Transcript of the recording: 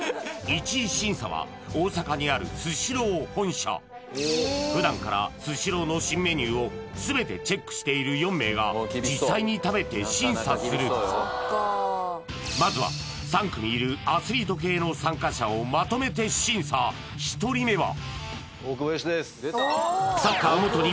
１次審査は大阪にあるスシロー本社普段からスシローの新メニューを全てチェックしている４名が実際に食べて審査するまずは３組いるアスリート系の参加者をまとめて審査１人目は！